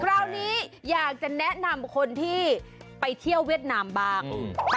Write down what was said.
คราวนี้อยากจะแนะนำคนที่ไปเที่ยวเวียดนามบ้างอืม